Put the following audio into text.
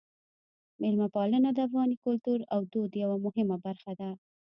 میلمه پالنه د افغاني کلتور او دود یوه مهمه برخه ده.